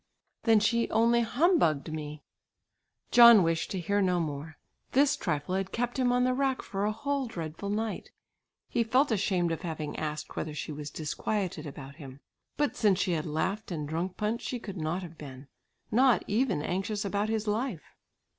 "Then she only humbugged me." John wished to hear no more. This trifle had kept him on the rack for a whole dreadful night. He felt ashamed of having asked whether she was disquieted about him. But since she had laughed and drunk punch she could not have been. Not even anxious about his life!